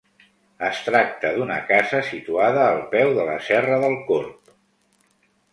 Es tracta d'una casa situada al peu de la serra del Corb.